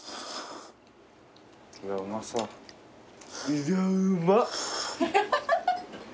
いやうまっ。